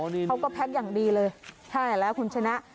อ๋อนี่นี่เขาก็แพ็คอย่างดีเลยใช่แล้วคุณชนะ